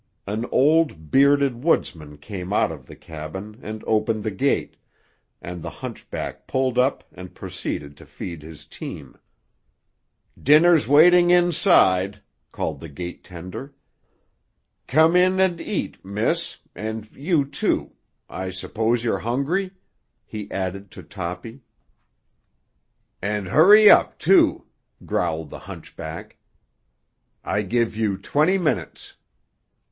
An old, bearded woodsman came out of the cabin and opened the gate, and the hunchback pulled up and proceeded to feed his team. "Dinner's waiting inside," called the gate tender. "Come in and eat, miss—and you, too; I suppose you're hungry?" he added to Toppy. "And hurry up, too," growled the hunchback. "I give you twenty minutes."